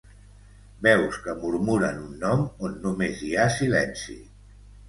Veus que murmuren un nom on només hi ha silenci.